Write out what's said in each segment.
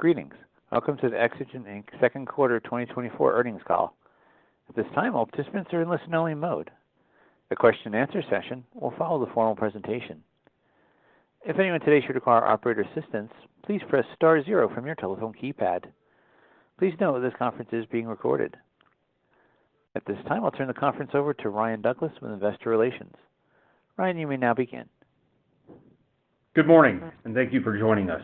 Greetings. Welcome to the Exagen Inc. second quarter 2024 earnings call. At this time, all participants are in listen-only mode. A question-and-answer session will follow the formal presentation. If anyone today should require operator assistance, please press star zero from your telephone keypad. Please note that this conference is being recorded. At this time, I'll turn the conference over to Ryan Douglas with Investor Relations. Ryan, you may now begin. Good morning, and thank you for joining us.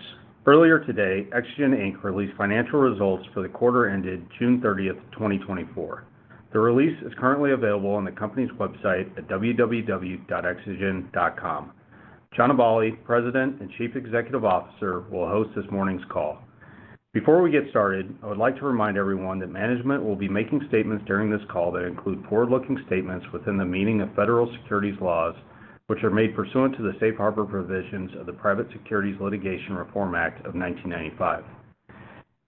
Earlier today, Exagen Inc. released financial results for the quarter ended June 30, 2024. The release is currently available on the company's website at www.exagen.com. John Aballi, President and Chief Executive Officer, will host this morning's call. Before we get started, I would like to remind everyone that management will be making statements during this call that include forward-looking statements within the meaning of federal securities laws, which are made pursuant to the Safe Harbor provisions of the Private Securities Litigation Reform Act of 1995.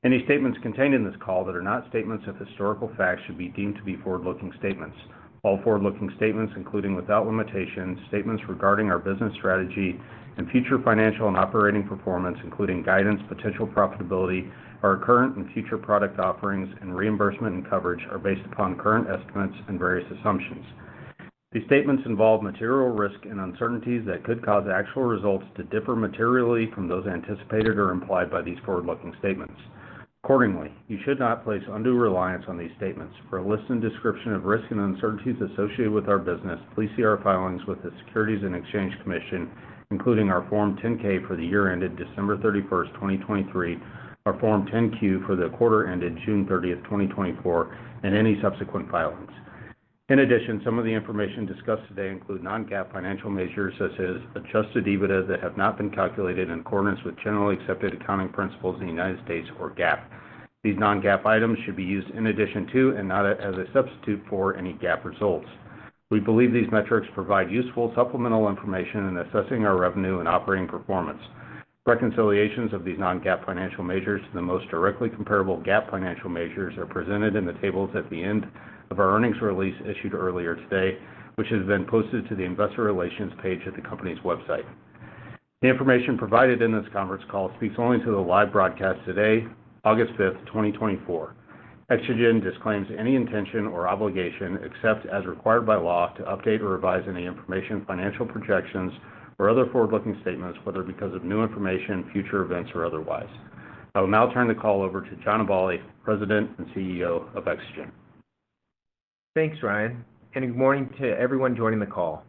Any statements contained in this call that are not statements of historical fact should be deemed to be forward-looking statements. All forward-looking statements, including without limitation, statements regarding our business strategy and future financial and operating performance, including guidance, potential profitability, our current and future product offerings, and reimbursement and coverage, are based upon current estimates and various assumptions. These statements involve material risk and uncertainties that could cause actual results to differ materially from those anticipated or implied by these forward-looking statements. Accordingly, you should not place undue reliance on these statements. For a list and description of risks and uncertainties associated with our business, please see our filings with the Securities and Exchange Commission, including our Form 10-K for the year ended December 31, 2023, our Form 10-Q for the quarter ended June 30, 2024, and any subsequent filings. In addition, some of the information discussed today include non-GAAP financial measures, such as Adjusted EBITDA, that have not been calculated in accordance with generally accepted accounting principles in the United States, or GAAP. These non-GAAP items should be used in addition to and not as a substitute for any GAAP results. We believe these metrics provide useful supplemental information in assessing our revenue and operating performance. Reconciliations of these non-GAAP financial measures to the most directly comparable GAAP financial measures are presented in the tables at the end of our earnings release issued earlier today, which has been posted to the Investor Relations page at the company's website. The information provided in this conference call speaks only to the live broadcast today, August 5, 2024. Exagen disclaims any intention or obligation, except as required by law, to update or revise any information, financial projections, or other forward-looking statements, whether because of new information, future events, or otherwise. I will now turn the call over to John Aballi, President and CEO of Exagen. Thanks, Ryan, and good morning to everyone joining the call.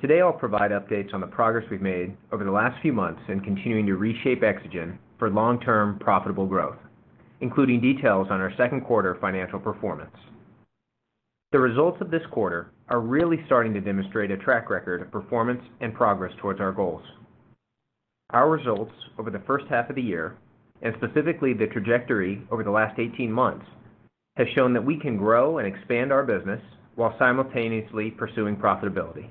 Today, I'll provide updates on the progress we've made over the last few months in continuing to reshape Exagen for long-term, profitable growth, including details on our second quarter financial performance. The results of this quarter are really starting to demonstrate a track record of performance and progress towards our goals. Our results over the first half of the year, and specifically the trajectory over the last 18 months, has shown that we can grow and expand our business while simultaneously pursuing profitability.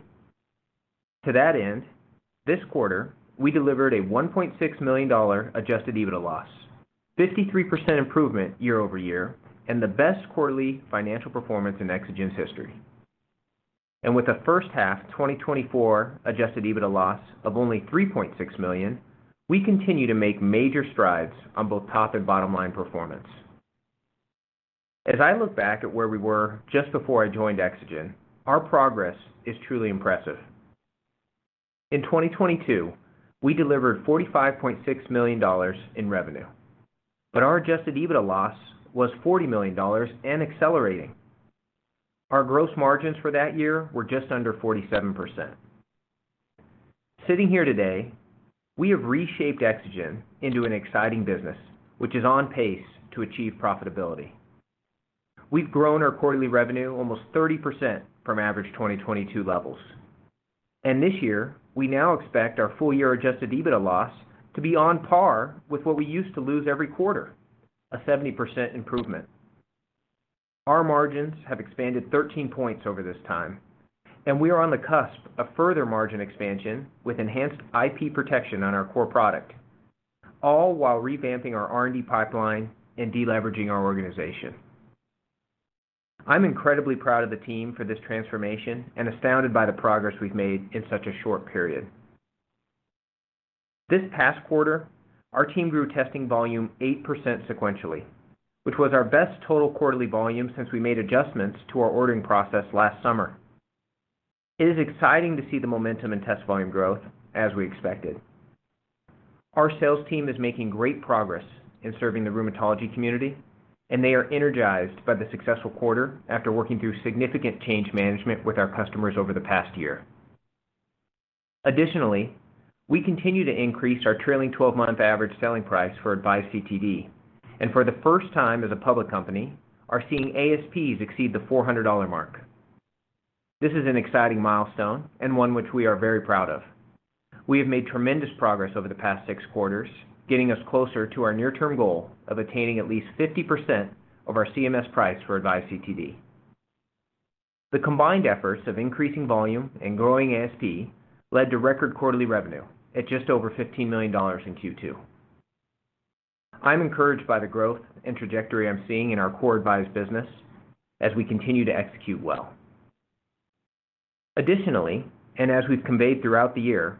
To that end, this quarter, we delivered a $1.6 million Adjusted EBITDA loss, 53% improvement year-over-year, and the best quarterly financial performance in Exagen's history. With a first half 2024 adjusted EBITDA loss of only $3.6 million, we continue to make major strides on both top and bottom-line performance. As I look back at where we were just before I joined Exagen, our progress is truly impressive. In 2022, we delivered $45.6 million in revenue, but our adjusted EBITDA loss was $40 million and accelerating. Our gross margins for that year were just under 47%. Sitting here today, we have reshaped Exagen into an exciting business, which is on pace to achieve profitability. We've grown our quarterly revenue almost 30% from average 2022 levels, and this year, we now expect our full-year adjusted EBITDA loss to be on par with what we used to lose every quarter, a 70% improvement. Our margins have expanded 13 points over this time, and we are on the cusp of further margin expansion with enhanced IP protection on our core product, all while revamping our R&D pipeline and deleveraging our organization. I'm incredibly proud of the team for this transformation and astounded by the progress we've made in such a short period. This past quarter, our team grew testing volume 8% sequentially, which was our best total quarterly volume since we made adjustments to our ordering process last summer. It is exciting to see the momentum in test volume growth as we expected. Our sales team is making great progress in serving the rheumatology community, and they are energized by the successful quarter after working through significant change management with our customers over the past year. Additionally, we continue to increase our trailing twelve-month average selling price for AVISE CTD, and for the first time as a public company, are seeing ASPs exceed the $400 mark. This is an exciting milestone and one which we are very proud of. We have made tremendous progress over the past six quarters, getting us closer to our near-term goal of attaining at least 50% of our CMS price for AVISE CTD. The combined efforts of increasing volume and growing ASP led to record quarterly revenue at just over $15 million in Q2. I'm encouraged by the growth and trajectory I'm seeing in our core AVISE CTD business as we continue to execute well. Additionally, and as we've conveyed throughout the year,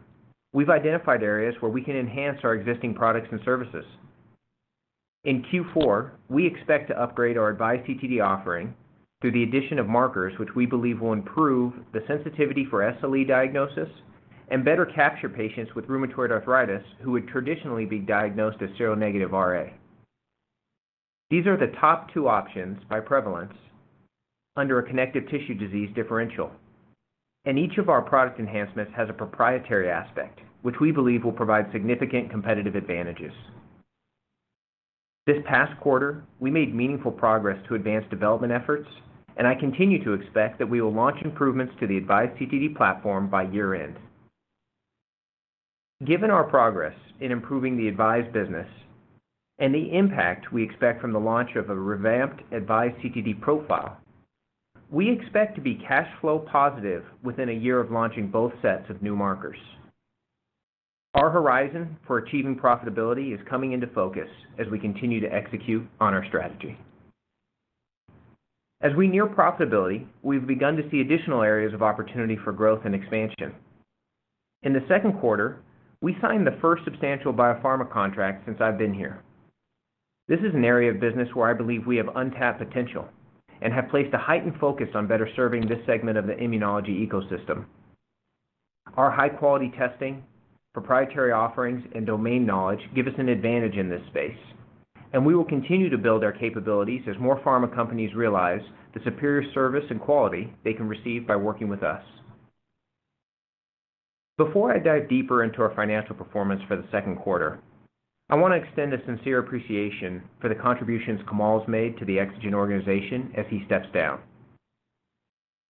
we've identified areas where we can enhance our existing products and services. In Q4, we expect to upgrade our AVISE CTD offering through the addition of markers, which we believe will improve the sensitivity for SLE diagnosis and better capture patients with rheumatoid arthritis who would traditionally be diagnosed as seronegative RA. These are the top two options by prevalence under a connective tissue disease differential, and each of our product enhancements has a proprietary aspect, which we believe will provide significant competitive advantages. This past quarter, we made meaningful progress to advance development efforts, and I continue to expect that we will launch improvements to the AVISE CTD platform by year-end. Given our progress in improving the AVISE business and the impact we expect from the launch of a revamped AVISE CTD profile, we expect to be cash flow positive within a year of launching both sets of new markers. Our horizon for achieving profitability is coming into focus as we continue to execute on our strategy. As we near profitability, we've begun to see additional areas of opportunity for growth and expansion. In the second quarter, we signed the first substantial biopharma contract since I've been here. This is an area of business where I believe we have untapped potential and have placed a heightened focus on better serving this segment of the immunology ecosystem. Our high-quality testing, proprietary offerings, and domain knowledge give us an advantage in this space, and we will continue to build our capabilities as more pharma companies realize the superior service and quality they can receive by working with us. Before I dive deeper into our financial performance for the second quarter, I want to extend a sincere appreciation for the contributions Kamal has made to the Exagen organization as he steps down.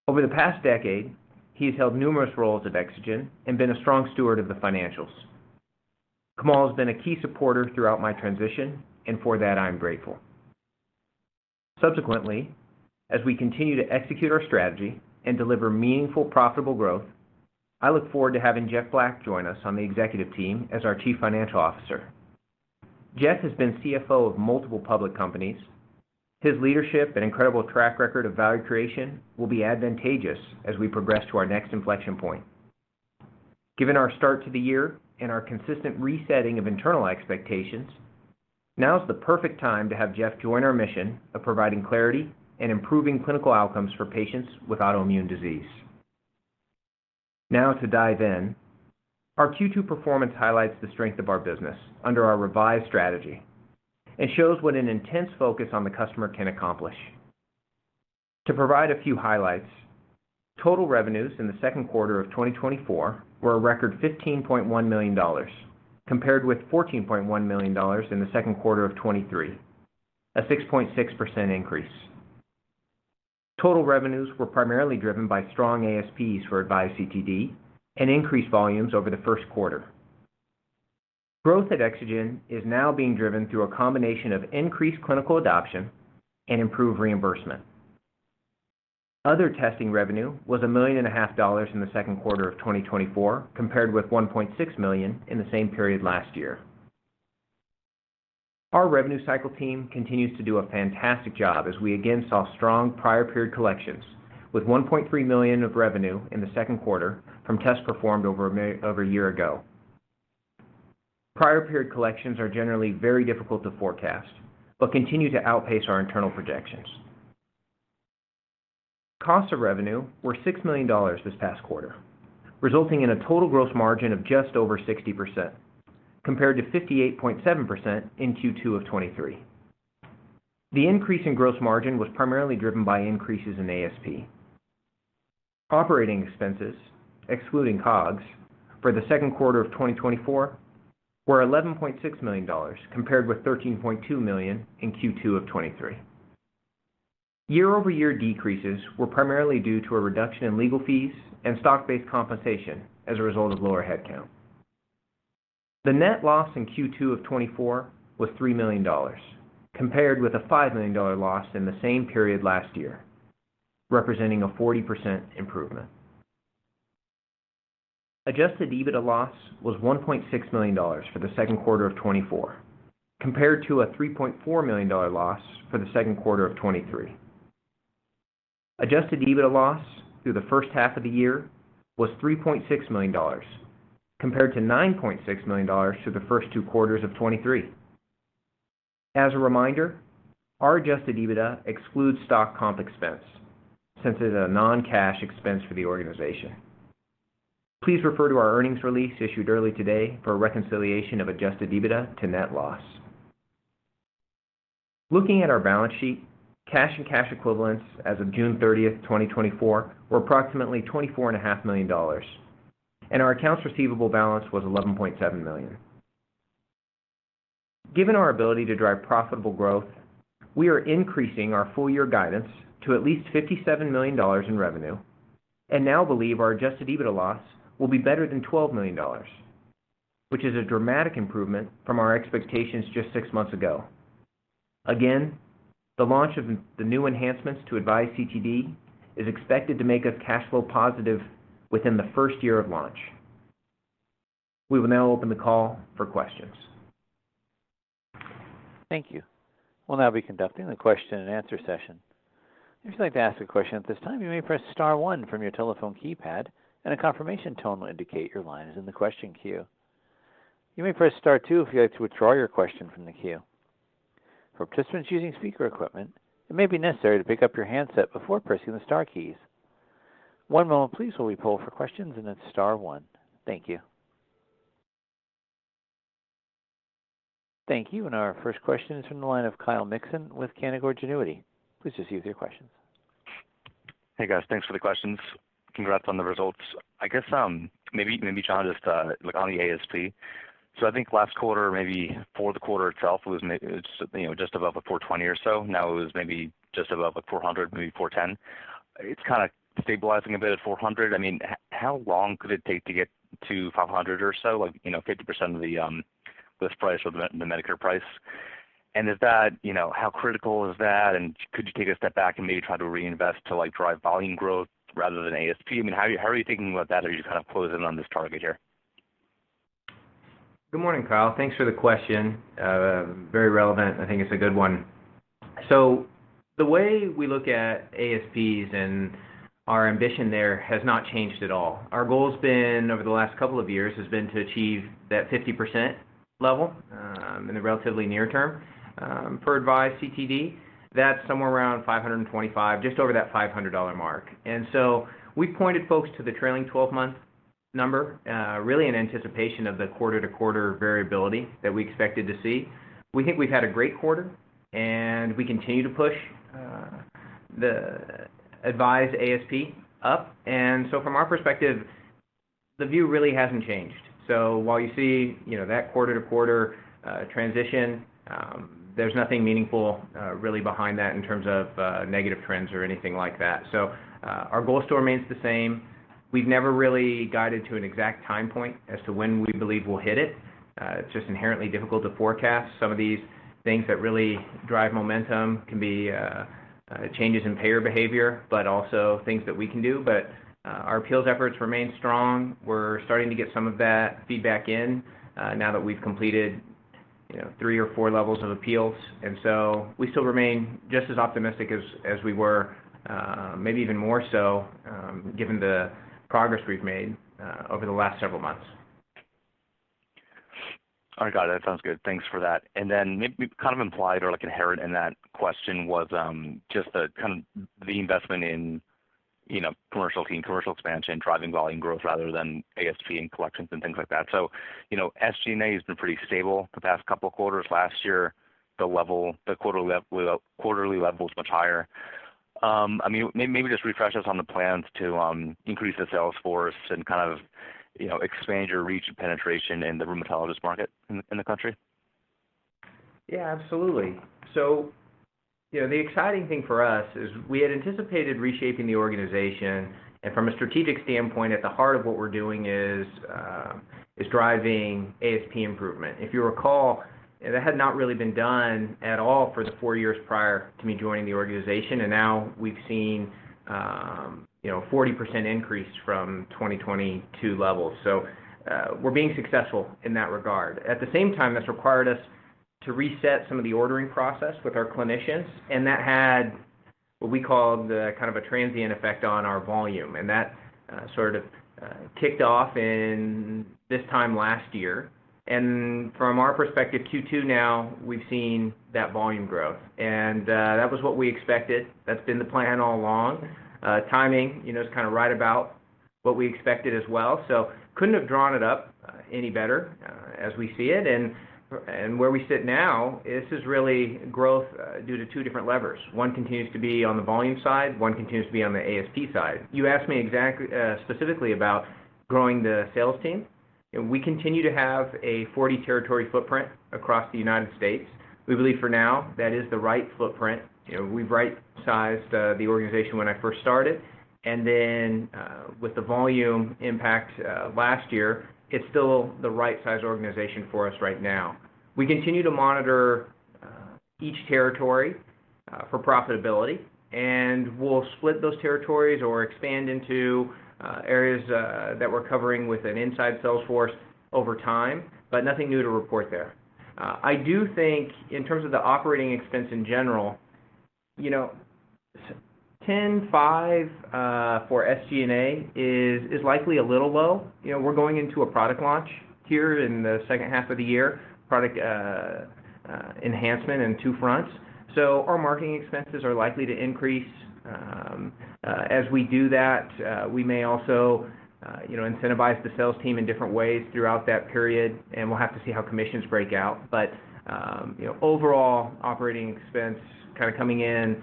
Over the past decade, he has held numerous roles at Exagen and been a strong steward of the financials. Kamal has been a key supporter throughout my transition, and for that, I am grateful. Subsequently, as we continue to execute our strategy and deliver meaningful, profitable growth, I look forward to having Jeff Black join us on the executive team as our Chief Financial Officer. Jeff has been CFO of multiple public companies. His leadership and incredible track record of value creation will be advantageous as we progress to our next inflection point. Given our start to the year and our consistent resetting of internal expectations, now is the perfect time to have Jeff join our mission of providing clarity and improving clinical outcomes for patients with autoimmune disease. Now to dive in. Our Q2 performance highlights the strength of our business under our revised strategy and shows what an intense focus on the customer can accomplish. To provide a few highlights, total revenues in the second quarter of 2024 were a record $15.1 million, compared with $14.1 million in the second quarter of 2023, a 6.6% increase. Total revenues were primarily driven by strong ASPs for AVISE CTD and increased volumes over the first quarter. Growth at Exagen is now being driven through a combination of increased clinical adoption and improved reimbursement. Other testing revenue was $1.5 million in the second quarter of 2024, compared with $1.6 million in the same period last year. Our revenue cycle team continues to do a fantastic job as we again saw strong prior period collections, with $1.3 million of revenue in the second quarter from tests performed over a year ago. Prior period collections are generally very difficult to forecast, but continue to outpace our internal projections. Cost of revenue were $6 million this past quarter, resulting in a total gross margin of just over 60%, compared to 58.7% in Q2 of 2023. The increase in gross margin was primarily driven by increases in ASP. Operating expenses, excluding COGS, for the second quarter of 2024 were $11.6 million, compared with $13.2 million in Q2 of 2023. Year-over-year decreases were primarily due to a reduction in legal fees and stock-based compensation as a result of lower headcount. The net loss in Q2 of 2024 was $3 million, compared with a $5 million loss in the same period last year, representing a 40% improvement. Adjusted EBITDA loss was $1.6 million for the second quarter of 2024, compared to a $3.4 million loss for the second quarter of 2023. Adjusted EBITDA loss through the first half of the year was $3.6 million, compared to $9.6 million through the first two quarters of 2023. As a reminder, our adjusted EBITDA excludes stock comp expense since it is a non-cash expense for the organization. Please refer to our earnings release issued early today for a reconciliation of adjusted EBITDA to net loss. Looking at our balance sheet, cash and cash equivalents as of June 30, 2024, were approximately $24.5 million, and our accounts receivable balance was $11.7 million. Given our ability to drive profitable growth, we are increasing our full year guidance to at least $57 million in revenue, and now believe our Adjusted EBITDA loss will be better than $12 million, which is a dramatic improvement from our expectations just six months ago. Again, the launch of the new enhancements to AVISE CTD is expected to make us cash flow positive within the first year of launch. We will now open the call for questions. Thank you. We'll now be conducting the question-and-answer session. If you'd like to ask a question at this time, you may press star one from your telephone keypad, and a confirmation tone will indicate your line is in the question queue. You may press star two if you'd like to withdraw your question from the queue. For participants using speaker equipment, it may be necessary to pick up your handset before pressing the star keys. One moment please, while we poll for questions, and then star one. Thank you. Thank you. And our first question is from the line of Kyle Mikson with Canaccord Genuity. Please just proceed with your questions. Hey, guys. Thanks for the questions. Congrats on the results. I guess, maybe, maybe, John, just, like on the ASP. So I think last quarter, maybe for the quarter itself, it was—it's, you know, just above $420 or so. Now it was maybe just above $400, maybe $410. It's kinda stabilizing a bit at $400. I mean, how long could it take to get to $500 or so, like, you know, 50% of the list price or the Medicare price? And is that—you know, how critical is that? And could you take a step back and maybe try to reinvest to, like, drive volume growth rather than ASP? I mean, how are you, how are you thinking about that, or are you just kind of closing on this target here? Good morning, Kyle. Thanks for the question. Very relevant. I think it's a good one. So the way we look at ASPs and our ambition there has not changed at all. Our goal has been, over the last couple of years, has been to achieve that 50% level, in the relatively near term. For AVISE CTD, that's somewhere around 525, just over that $500 mark. And so we pointed folks to the trailing twelve-month number, really in anticipation of the quarter-to-quarter variability that we expected to see. We think we've had a great quarter, and we continue to push, the AVISE ASP up. And so from our perspective, the view really hasn't changed. So while you see, you know, that quarter-to-quarter transition, there's nothing meaningful really behind that in terms of negative trends or anything like that. So, our goal still remains the same. We've never really guided to an exact time point as to when we believe we'll hit it. It's just inherently difficult to forecast. Some of these things that really drive momentum can be changes in payer behavior, but also things that we can do. But, our appeals efforts remain strong. We're starting to get some of that feedback in now that we've completed, you know, three or four levels of appeals. And so we still remain just as optimistic as, as we were, maybe even more so, given the progress we've made over the last several months. All right, got it. Sounds good. Thanks for that. And then maybe kind of implied or, like, inherent in that question was just the kind of the investment in, you know, commercial team, commercial expansion, driving volume growth rather than ASP and collections and things like that. So, you know, SG&A has been pretty stable the past couple of quarters. Last year, the quarterly level was much higher. I mean, maybe just refresh us on the plans to increase the sales force and kind of, you know, expand your reach and penetration in the rheumatologist market in the country. Yeah, absolutely. So, you know, the exciting thing for us is we had anticipated reshaping the organization, and from a strategic standpoint, at the heart of what we're doing is driving ASP improvement. If you recall, that had not really been done at all for the four years prior to me joining the organization, and now we've seen, you know, 40% increase from 2022 levels. So, we're being successful in that regard. At the same time, that's required us to reset some of the ordering process with our clinicians, and that had what we call the kind of a transient effect on our volume, and that sort of kicked off in this time last year. And from our perspective, Q2 now, we've seen that volume growth, and that was what we expected. That's been the plan all along. Timing, you know, is kinda right about what we expected as well, so couldn't have drawn it up any better, as we see it. And where we sit now, this is really growth due to two different levers. One continues to be on the volume side, one continues to be on the ASP side. You asked me exactly, specifically about growing the sales team, and we continue to have a 40-territory footprint across the United States. We believe for now that is the right footprint. You know, we've rightsized the organization when I first started, and then, with the volume impact last year, it's still the right size organization for us right now. We continue to monitor each territory for profitability, and we'll split those territories or expand into areas that we're covering with an inside sales force over time, but nothing new to report there. I do think in terms of the operating expense in general, you know, $10.5 for SG&A is likely a little low. You know, we're going into a product launch here in the second half of the year, product enhancement in two fronts. So our marketing expenses are likely to increase. As we do that, we may also, you know, incentivize the sales team in different ways throughout that period, and we'll have to see how commissions break out. But, you know, overall operating expense kind of coming in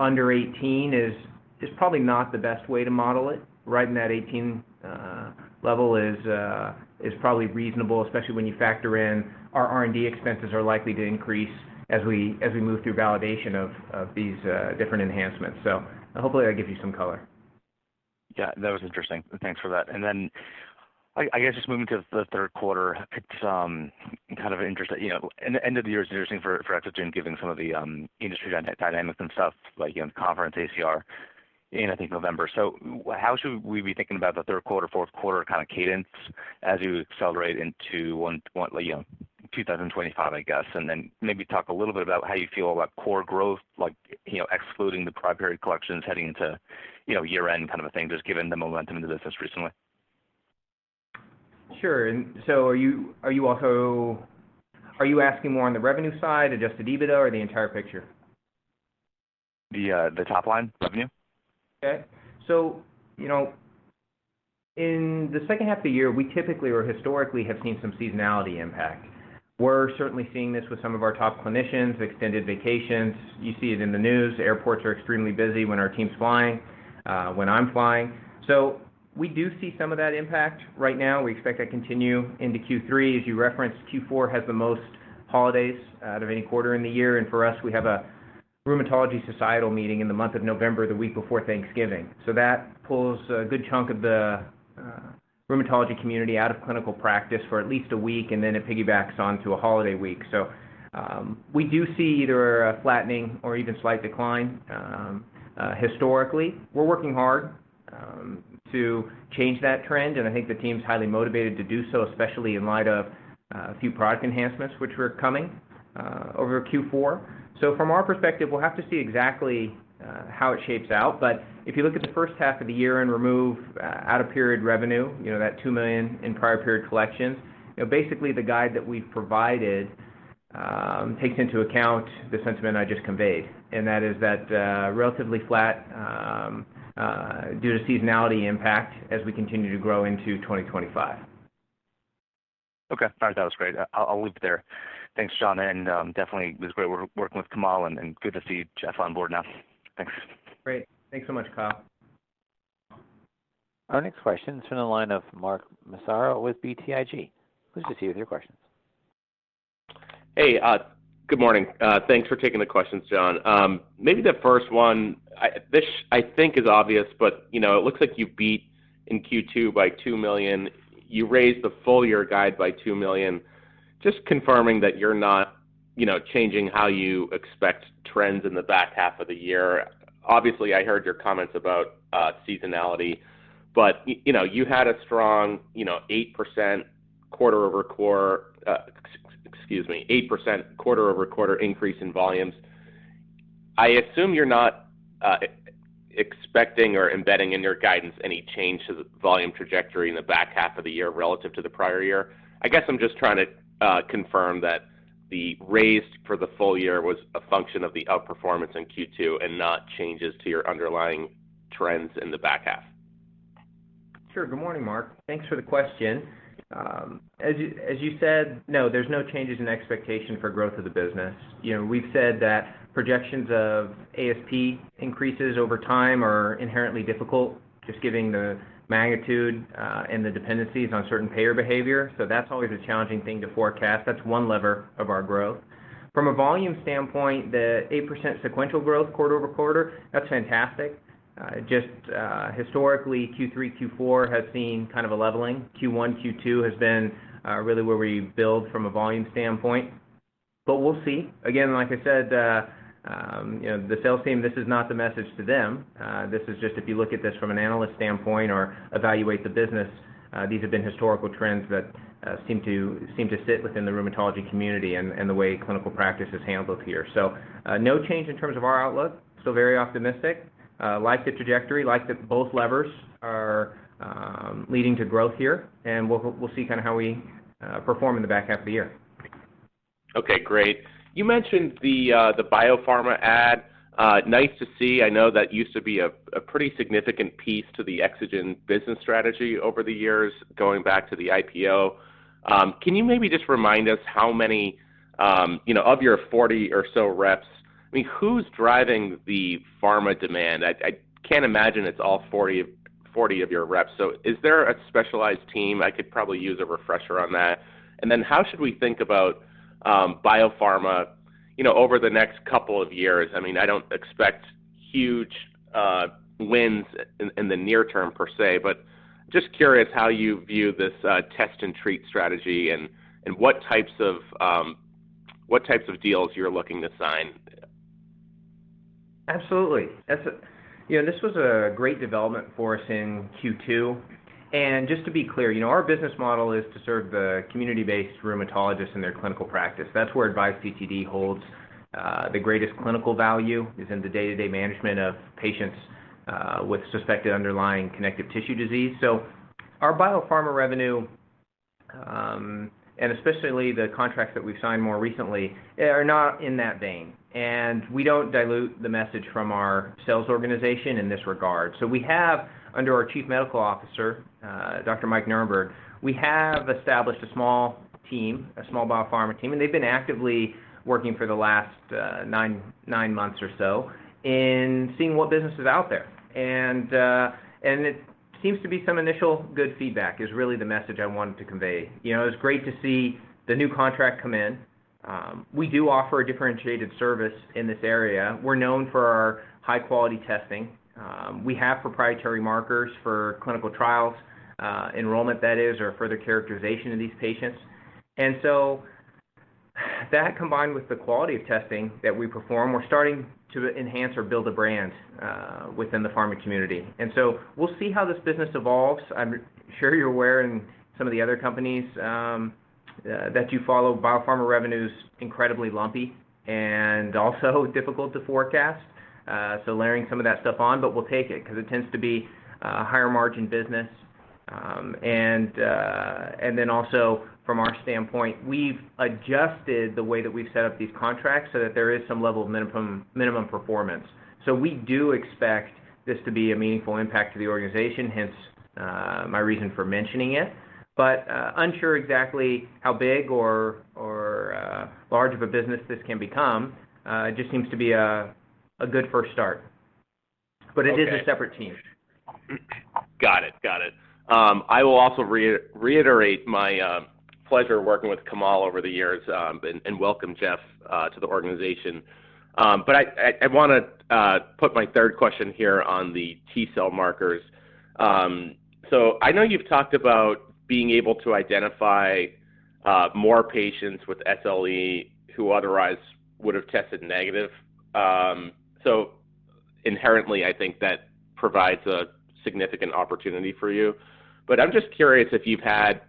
under $18 is probably not the best way to model it. Right in that 18 level is, is probably reasonable, especially when you factor in our R&D expenses are likely to increase as we, as we move through validation of, of these, different enhancements. So hopefully, that gives you some color. Yeah, that was interesting. Thanks for that. Then I guess just moving to the third quarter, it's kind of interesting, you know, and the end of the year is interesting for Exagen, given some of the industry dynamics and stuff, like, you know, the conference ACR in, I think, November. So how should we be thinking about the third quarter, fourth quarter kind of cadence as you accelerate into 2025, I guess? And then maybe talk a little bit about how you feel about core growth, like, you know, excluding the prior period collections, heading into, you know, year-end kind of a thing, just given the momentum of the business recently. Sure. And so are you also asking more on the revenue side, Adjusted EBITDA, or the entire picture? The top line, revenue. Okay. So, you know, in the second half of the year, we typically or historically have seen some seasonality impact. We're certainly seeing this with some of our top clinicians, extended vacations. You see it in the news. Airports are extremely busy when our team's flying, when I'm flying. So we do see some of that impact right now. We expect that to continue into Q3. As you referenced, Q4 has the most holidays out of any quarter in the year, and for us, we have a rheumatology societal meeting in the month of November, the week before Thanksgiving. So that pulls a good chunk of the rheumatology community out of clinical practice for at least a week, and then it piggybacks onto a holiday week. So, we do see either a flattening or even slight decline, historically. We're working hard to change that trend, and I think the team's highly motivated to do so, especially in light of a few product enhancements, which were coming over Q4. So from our perspective, we'll have to see exactly how it shapes out. But if you look at the first half of the year and remove prior period revenue, you know, that $2 million in prior period collections, you know, basically the guide that we've provided takes into account the sentiment I just conveyed, and that is that relatively flat due to seasonality impact as we continue to grow into 2025. Okay. All right. That was great. I'll, I'll leave it there. Thanks, John, and, definitely it was great working with Kamal, and, and good to see Jeff on board now. Thanks. Great. Thanks so much, Kyle. Our next question is from the line of Mark Massaro with BTIG. Please proceed with your questions. Hey, good morning. Thanks for taking the questions, John. Maybe the first one, this, I think, is obvious, but, you know, it looks like you beat in Q2 by $2 million. You raised the full-year guide by $2 million. Just confirming that you're not, you know, changing how you expect trends in the back half of the year. Obviously, I heard your comments about, seasonality, but you know, you had a strong, you know, 8% quarter-over-quarter increase in volumes. I assume you're not, expecting or embedding in your guidance any change to the volume trajectory in the back half of the year relative to the prior year. I guess I'm just trying to confirm that the raise for the full year was a function of the outperformance in Q2 and not changes to your underlying trends in the back half. Sure. Good morning, Mark. Thanks for the question. As you, as you said, no, there's no changes in expectation for growth of the business. You know, we've said that projections of ASP increases over time are inherently difficult, just giving the magnitude, and the dependencies on certain payer behavior. So that's always a challenging thing to forecast. That's one lever of our growth. From a volume standpoint, the 8% sequential growth quarter over quarter, that's fantastic. Just, historically, Q3, Q4 has seen kind of a leveling. Q1, Q2 has been, really where we build from a volume standpoint, but we'll see. Again, like I said, you know, the sales team, this is not the message to them. This is just if you look at this from an analyst standpoint or evaluate the business, these have been historical trends that seem to sit within the rheumatology community and the way clinical practice is handled here. So, no change in terms of our outlook. Still very optimistic. Like the trajectory, like that both levers are leading to growth here, and we'll see kind of how we perform in the back half of the year. Okay, great. You mentioned the biopharma add. Nice to see. I know that used to be a pretty significant piece to the Exagen business strategy over the years, going back to the IPO. Can you maybe just remind us how many, you know, of your 40 or so reps, I mean, who's driving the pharma demand? I can't imagine it's all 40, 40 of your reps. So is there a specialized team? I could probably use a refresher on that. And then how should we think about biopharma, you know, over the next couple of years? I mean, I don't expect huge wins in the near term per se, but just curious how you view this test and treat strategy and what types of what types of deals you're looking to sign? Absolutely. That's a great development for us in Q2. And just to be clear, you know, our business model is to serve the community-based rheumatologists in their clinical practice. That's where AVISE CTD holds the greatest clinical value, is in the day-to-day management of patients with suspected underlying connective tissue disease. So our biopharma revenue, and especially the contracts that we've signed more recently, are not in that vein, and we don't dilute the message from our sales organization in this regard. So we have, under our Chief Medical Officer, Dr. Mike Nerenberg, established a small team, a small biopharma team, and they've been actively working for the last 9 months or so in seeing what business is out there. And it seems to be some initial good feedback, is really the message I wanted to convey. You know, it's great to see the new contract come in. We do offer a differentiated service in this area. We're known for our high-quality testing. We have proprietary markers for clinical trials enrollment, that is, or further characterization of these patients. And so that combined with the quality of testing that we perform, we're starting to enhance or build a brand within the pharma community. And so we'll see how this business evolves. I'm sure you're aware in some of the other companies that you follow, biopharma revenue is incredibly lumpy and also difficult to forecast, so layering some of that stuff on, but we'll take it because it tends to be a higher margin business. And then also from our standpoint, we've adjusted the way that we've set up these contracts so that there is some level of minimum performance. So we do expect this to be a meaningful impact to the organization, hence my reason for mentioning it. But unsure exactly how big or large of a business this can become. It just seems to be a good first start. Okay. But it is a separate team. Got it. Got it. I will also reiterate my pleasure working with Kamal over the years, and welcome, Jeff, to the organization. But I wanna put my third question here on the T cell markers. So I know you've talked about being able to identify more patients with SLE who otherwise would have tested negative. So inherently, I think that provides a significant opportunity for you. But I'm just curious if you've had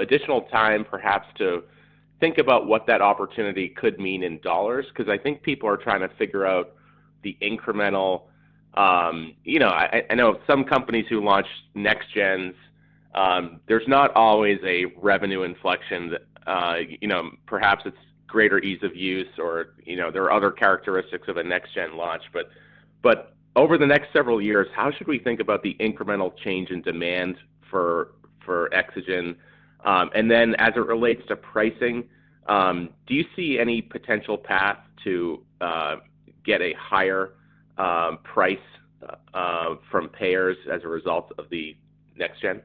additional time, perhaps, to think about what that opportunity could mean in dollars, 'cause I think people are trying to figure out the incremental. You know, I know some companies who launched next gens. There's not always a revenue inflection that, you know, perhaps it's greater ease of use or, you know, there are other characteristics of a next gen launch. But over the next several years, how should we think about the incremental change in demand for Exagen? And then as it relates to pricing, do you see any potential path to get a higher price from payers as a result of the next gen?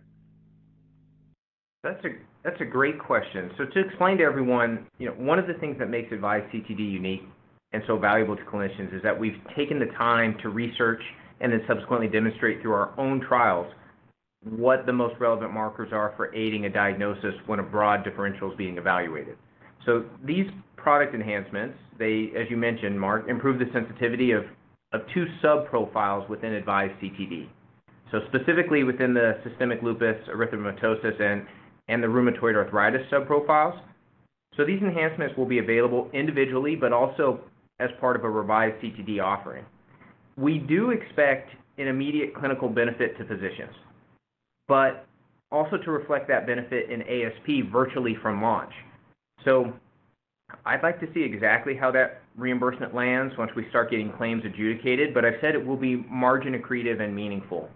That's a, that's a great question. So to explain to everyone, you know, one of the things that makes AVISE CTD unique and so valuable to clinicians is that we've taken the time to research and then subsequently demonstrate through our own trials what the most relevant markers are for aiding a diagnosis when a broad differential is being evaluated. So these product enhancements, they, as you mentioned, Mark, improve the sensitivity of, of two subprofiles within AVISE CTD. So specifically within the Systemic Lupus Erythematosus and, and the Rheumatoid Arthritis subprofiles. So these enhancements will be available individually, but also as part of a revised CTD offering. We do expect an immediate clinical benefit to physicians, but also to reflect that benefit in ASP virtually from launch. So I'd like to see exactly how that reimbursement lands once we start getting claims adjudicated, but I've said it will be margin accretive and meaningful.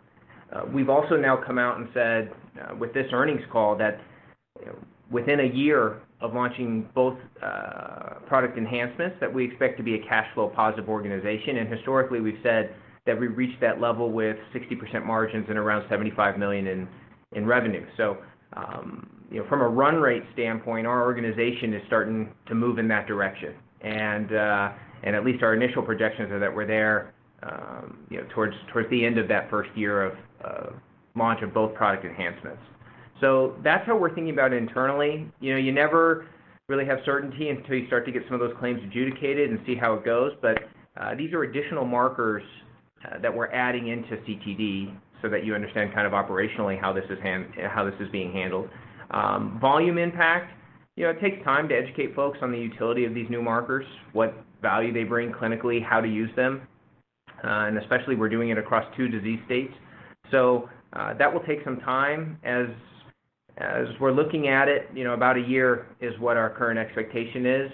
We've also now come out and said, with this earnings call, that, within a year of launching both, product enhancements, that we expect to be a cash flow positive organization. And historically, we've said that we reached that level with 60% margins and around $75 million in revenue. So, you know, from a run rate standpoint, our organization is starting to move in that direction. And at least our initial projections are that we're there, you know, towards the end of that first year of launch of both product enhancements. So that's how we're thinking about it internally. You know, you never really have certainty until you start to get some of those claims adjudicated and see how it goes. But, these are additional markers, that we're adding into CTD so that you understand kind of operationally how this is being handled. Volume impact, you know, it takes time to educate folks on the utility of these new markers, what value they bring clinically, how to use them, and especially we're doing it across two disease states. So, that will take some time. As we're looking at it, you know, about a year is what our current expectation is,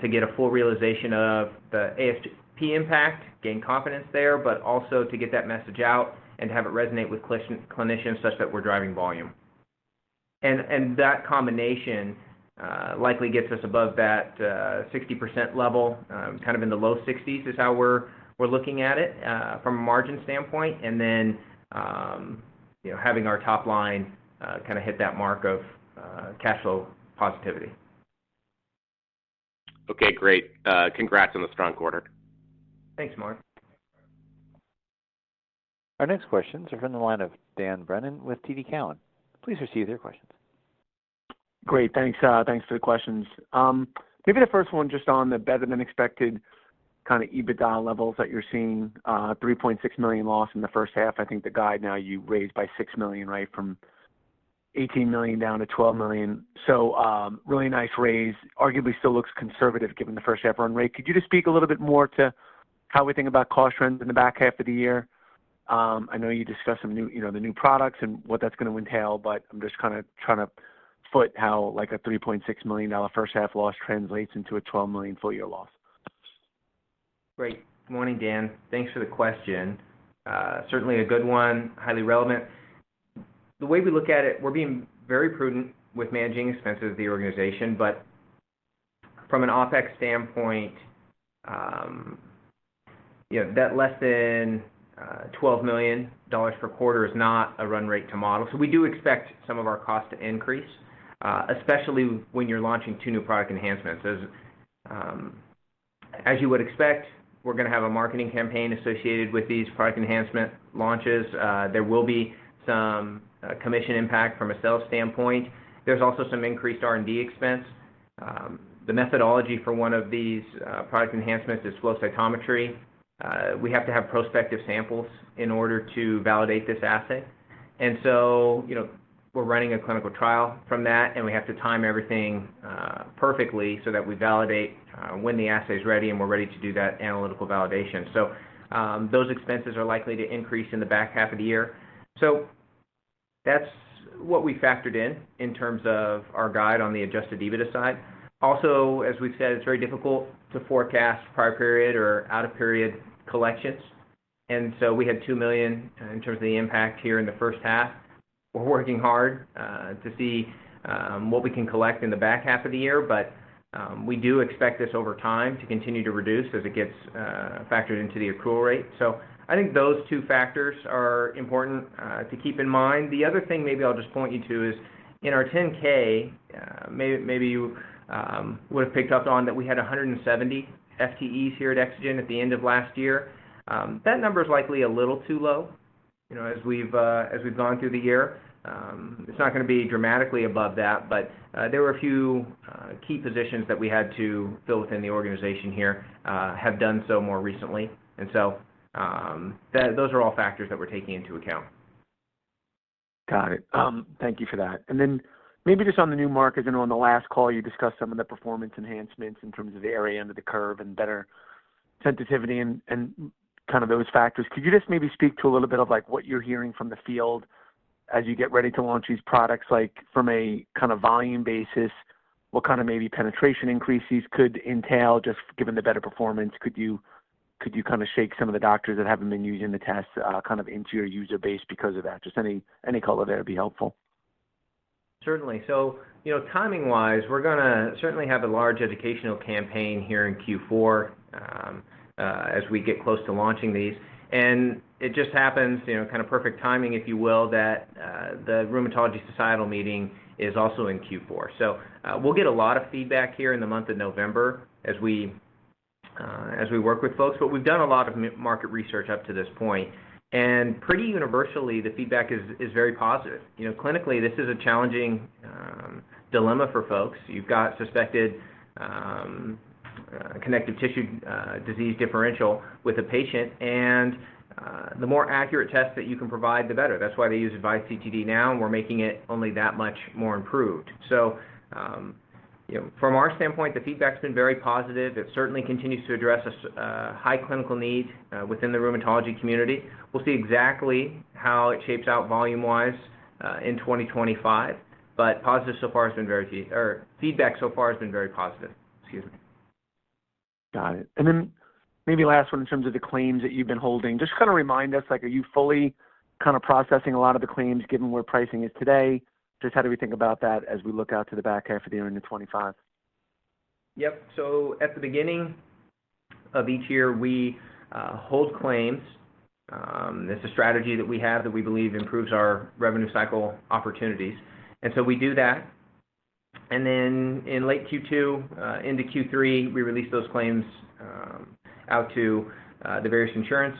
to get a full realization of the ASP impact, gain confidence there, but also to get that message out and have it resonate with clinicians such that we're driving volume. And that combination likely gets us above that 60% level, kind of in the low 60s, is how we're looking at it from a margin standpoint, and then you know, having our top line kinda hit that mark of cash flow positivity. Okay, great. Congrats on the strong quarter. Thanks, Mark. Our next questions are from the line of Dan Brennan with TD Cowen. Please receive your questions. Great, thanks. Thanks for the questions. Maybe the first one, just on the better-than-expected kind of EBITDA levels that you're seeing, $3.6 million loss in the first half. I think the guide now, you raised by $6 million, right, from $18 million down to $12 million. So, really nice raise. Arguably, still looks conservative given the first half run rate. Could you just speak a little bit more to how we think about cost trends in the back half of the year? I know you discussed some new, you know, the new products and what that's gonna entail, but I'm just kinda trying to foot how, like, a $3.6 million first half loss translates into a $12 million full year loss. Great. Good morning, Dan. Thanks for the question. Certainly a good one, highly relevant. The way we look at it, we're being very prudent with managing expenses of the organization, but from an OpEx standpoint, you know, that less than $12 million per quarter is not a run rate to model. So we do expect some of our costs to increase, especially when you're launching two new product enhancements. As you would expect, we're gonna have a marketing campaign associated with these product enhancement launches. There will be some commission impact from a sales standpoint. There's also some increased R&D expense. The methodology for one of these product enhancements is flow cytometry. We have to have prospective samples in order to validate this assay. So, you know, we're running a clinical trial from that, and we have to time everything perfectly so that we validate when the assay is ready, and we're ready to do that analytical validation. So, those expenses are likely to increase in the back half of the year. So that's what we factored in in terms of our guide on the Adjusted EBITDA side. Also, as we've said, it's very difficult to forecast prior period or out-of-period collections, and so we had $2 million in terms of the impact here in the first half. We're working hard to see what we can collect in the back half of the year, but we do expect this over time to continue to reduce as it gets factored into the accrual rate. So I think those two factors are important to keep in mind. The other thing maybe I'll just point you to is, in our 10-K, maybe you would have picked up on, that we had 170 FTEs here at Exagen at the end of last year. That number is likely a little too low, you know, as we've gone through the year. It's not gonna be dramatically above that, but, there were a few key positions that we had to fill within the organization here, have done so more recently. And so, those are all factors that we're taking into account. Got it. Thank you for that. And then maybe just on the new market, I know on the last call, you discussed some of the performance enhancements in terms of the area under the curve and better sensitivity and kind of those factors. Could you just maybe speak to a little bit of, like, what you're hearing from the field as you get ready to launch these products, like, from a kind of volume basis, what kind of maybe penetration increases could entail, just given the better performance? Could you kinda shake some of the doctors that haven't been using the test kind of into your user base because of that? Just any color there would be helpful. Certainly. So, you know, timing-wise, we're gonna certainly have a large educational campaign here in Q4, as we get close to launching these. And it just happens, you know, kind of perfect timing, if you will, that the Rheumatology Societal meeting is also in Q4. So, we'll get a lot of feedback here in the month of November as we, as we work with folks, but we've done a lot of market research up to this point, and pretty universally, the feedback is, is very positive. You know, clinically, this is a challenging, dilemma for folks. You've got suspected, connective tissue disease differential with a patient, and the more accurate test that you can provide, the better. That's why they use AVISE CTD now, and we're making it only that much more improved. So, you know, from our standpoint, the feedback's been very positive. It certainly continues to address a high clinical need within the rheumatology community. We'll see exactly how it shapes out volume-wise in 2025, but positive so far has been very key, or feedback so far has been very positive. Excuse me. Got it. And then maybe last one in terms of the claims that you've been holding. Just kinda remind us, like, are you fully kind of processing a lot of the claims given where pricing is today? Just how do we think about that as we look out to the back half of the year into 2025? Yep. So at the beginning of each year, we hold claims. It's a strategy that we have that we believe improves our revenue cycle opportunities. And so we do that. And then in late Q2 into Q3, we release those claims out to the various insurance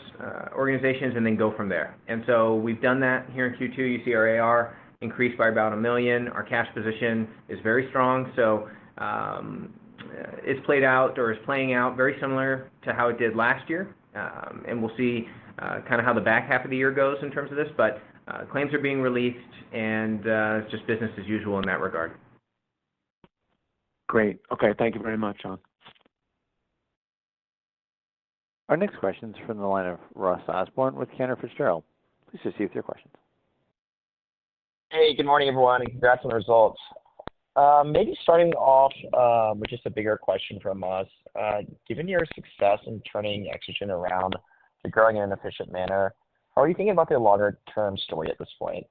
organizations and then go from there. And so we've done that here in Q2. You see our AR increased by about $1 million. Our cash position is very strong, so it's played out or is playing out very similar to how it did last year. And we'll see kinda how the back half of the year goes in terms of this, but claims are being released and just business as usual in that regard. Great. Okay, thank you very much, John. Our next question is from the line of Ross Osborn with Cantor Fitzgerald. Please proceed with your questions. Hey, good morning, everyone, and congrats on the results. Maybe starting off with just a bigger question from us. Given your success in turning Exagen around to growing in an efficient manner, how are you thinking about the longer-term story at this point?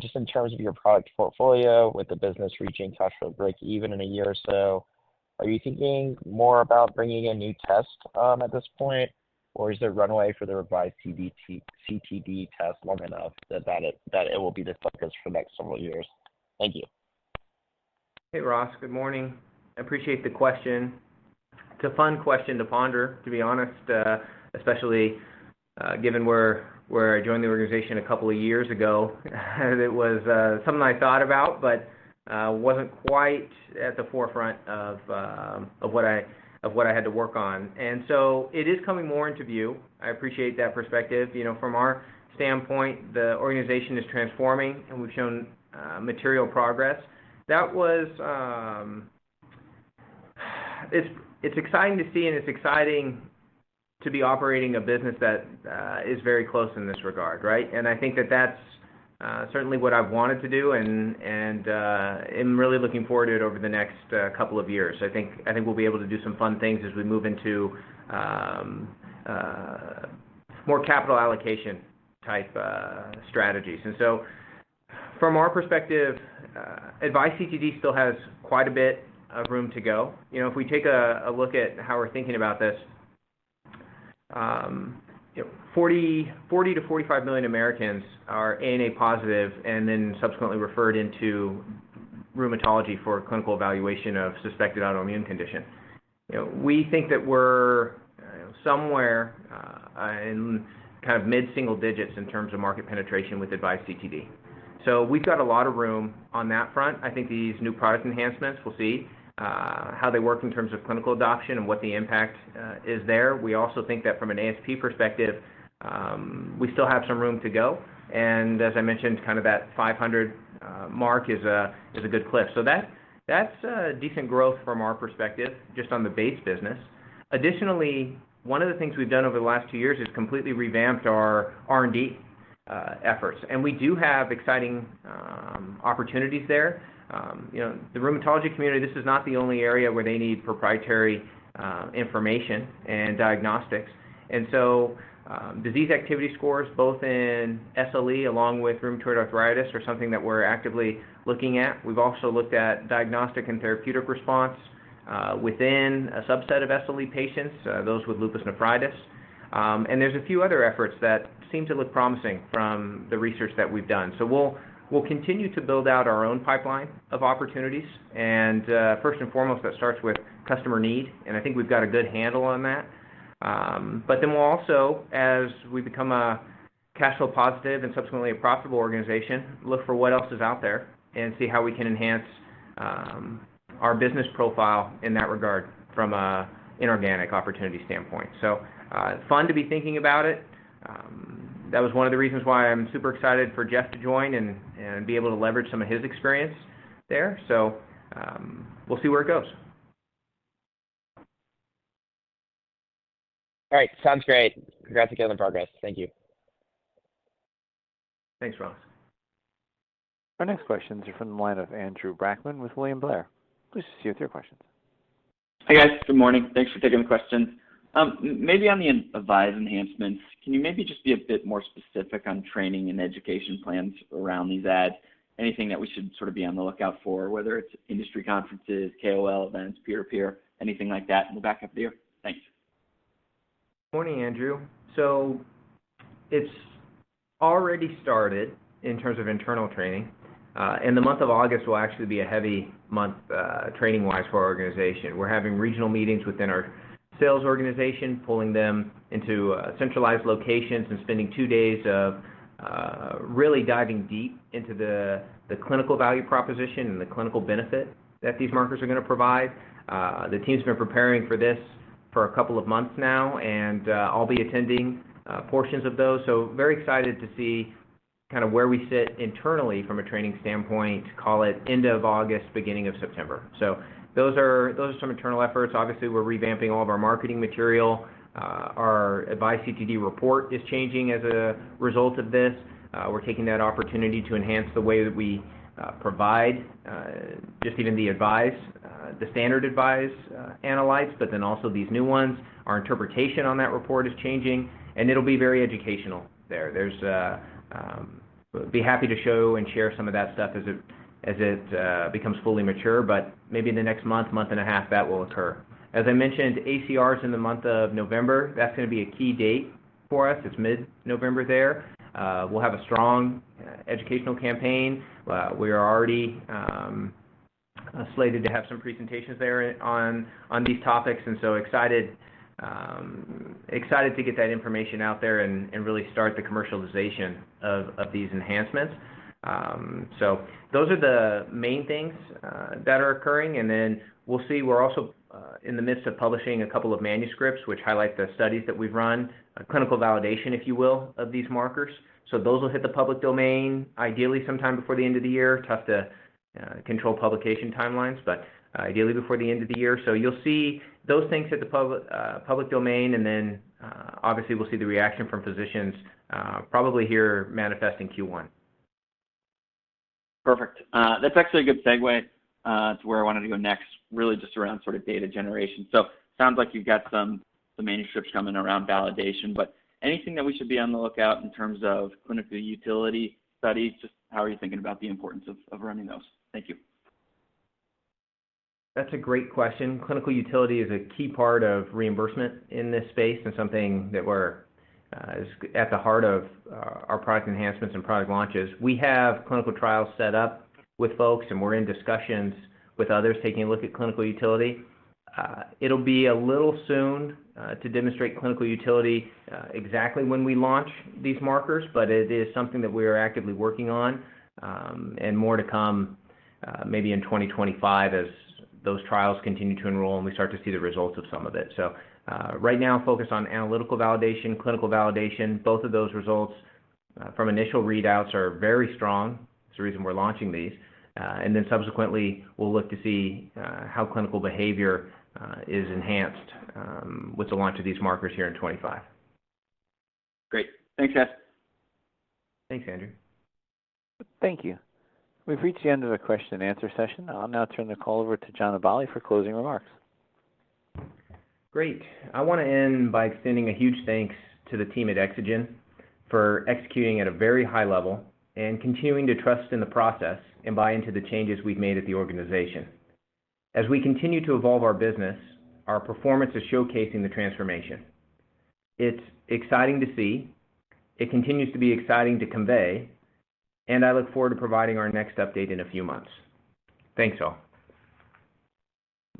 Just in terms of your product portfolio, with the business reaching cash flow break-even in a year or so, are you thinking more about bringing a new test at this point, or is there runway for the revised CTD test long enough that it will be the focus for the next several years? Thank you. Hey, Ross, good morning. I appreciate the question. It's a fun question to ponder, to be honest, especially, given where I joined the organization a couple of years ago, and it was something I thought about, but wasn't quite at the forefront of what I had to work on. And so it is coming more into view. I appreciate that perspective. You know, from our standpoint, the organization is transforming, and we've shown material progress. It's exciting to see, and it's exciting to be operating a business that is very close in this regard, right? And I think that that's certainly what I've wanted to do and I'm really looking forward to it over the next couple of years. I think, I think we'll be able to do some fun things as we move into more capital allocation type strategies. And so from our perspective, AVISE CTD still has quite a bit of room to go. You know, if we take a look at how we're thinking about this, you know, 40 to 45 million Americans are ANA positive and then subsequently referred into rheumatology for clinical evaluation of suspected autoimmune condition. You know, we think that we're somewhere in kind of mid-single digits in terms of market penetration with AVISE CTD. So we've got a lot of room on that front. I think these new product enhancements, we'll see how they work in terms of clinical adoption and what the impact is there. We also think that from an ASP perspective, we still have some room to go. And as I mentioned, kind of that 500 mark is a, is a good clip. So that, that's a decent growth from our perspective, just on the base business. Additionally, one of the things we've done over the last two years is completely revamped our R&D efforts, and we do have exciting opportunities there. You know, the rheumatology community, this is not the only area where they need proprietary information and diagnostics. And so, disease activity scores, both in SLE along with rheumatoid arthritis, are something that we're actively looking at. We've also looked at diagnostic and therapeutic response within a subset of SLE patients, those with lupus nephritis. And there's a few other efforts that seem to look promising from the research that we've done. So we'll continue to build out our own pipeline of opportunities. And, first and foremost, that starts with customer need, and I think we've got a good handle on that. But then we'll also, as we become a cash flow positive and subsequently a profitable organization, look for what else is out there and see how we can enhance our business profile in that regard from a inorganic opportunity standpoint. So, fun to be thinking about it. That was one of the reasons why I'm super excited for Jeff to join and be able to leverage some of his experience there. So, we'll see where it goes. All right. Sounds great. Congrats again on the progress. Thank you. Thanks, Ross. Our next questions are from the line of Andrew Brackmann with William Blair. Please proceed with your questions. Hi, guys. Good morning. Thanks for taking the questions. Maybe on the AVISE enhancements, can you maybe just be a bit more specific on training and education plans around these adds? Anything that we should sort of be on the lookout for, whether it's industry conferences, KOL events, peer-to-peer, anything like that in the back half of the year? Thanks. Morning, Andrew. So it's already started in terms of internal training, and the month of August will actually be a heavy month, training-wise for our organization. We're having regional meetings within our sales organization, pulling them into centralized locations and spending two days of really diving deep into the clinical value proposition and the clinical benefit that these markers are gonna provide. The team's been preparing for this for a couple of months now, and I'll be attending portions of those. So very excited to see kinda where we sit internally from a training standpoint, call it end of August, beginning of September. So those are, those are some internal efforts. Obviously, we're revamping all of our marketing material. Our AVISE CTD report is changing as a result of this. We're taking that opportunity to enhance the way that we provide just even the AVISE the standard AVISE analytes, but then also these new ones. Our interpretation on that report is changing, and it'll be very educational there. We'll be happy to show and share some of that stuff as it becomes fully mature, but maybe in the next month and a half, that will occur. As I mentioned, ACR is in the month of November. That's gonna be a key date for us. It's mid-November there. We'll have a strong educational campaign. We are already slated to have some presentations there on these topics, and so excited to get that information out there and really start the commercialization of these enhancements. So those are the main things that are occurring, and then we'll see. We're also in the midst of publishing a couple of manuscripts, which highlight the studies that we've run, a clinical validation, if you will, of these markers. So those will hit the public domain, ideally sometime before the end of the year. Tough to control publication timelines, but ideally before the end of the year. So you'll see those things hit the public public domain, and then obviously, we'll see the reaction from physicians probably here manifest in Q1. Perfect. That's actually a good segue to where I wanted to go next, really just around sort of data generation. So it sounds like you've got some, the manuscripts coming around validation, but anything that we should be on the lookout in terms of clinical utility studies? Just how are you thinking about the importance of running those? Thank you. That's a great question. Clinical utility is a key part of reimbursement in this space and something that we're, is at the heart of our product enhancements and product launches. We have clinical trials set up with folks, and we're in discussions with others, taking a look at clinical utility. It'll be a little soon to demonstrate clinical utility exactly when we launch these markers, but it is something that we are actively working on, and more to come maybe in 2025 as those trials continue to enroll, and we start to see the results of some of it. So, right now, focused on analytical validation, clinical validation. Both of those results from initial readouts are very strong. It's the reason we're launching these. And then subsequently, we'll look to see how clinical behavior is enhanced with the launch of these markers here in 2025. Great. Thanks, John. Thanks, Andrew. Thank you. We've reached the end of the question and answer session. I'll now turn the call over to John Aballi for closing remarks. Great. I want to end by extending a huge thanks to the team at Exagen for executing at a very high level and continuing to trust in the process and buy into the changes we've made at the organization. As we continue to evolve our business, our performance is showcasing the transformation. It's exciting to see, it continues to be exciting to convey, and I look forward to providing our next update in a few months. Thanks, all.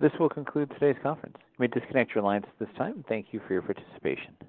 This will conclude today's conference. You may disconnect your lines at this time. Thank you for your participation.